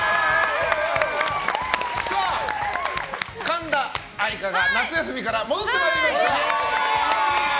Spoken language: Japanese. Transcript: さあ、神田愛花が夏休みから戻ってまいりました！